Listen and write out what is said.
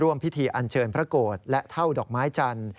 พิธีอันเชิญพระโกรธและเท่าดอกไม้จันทร์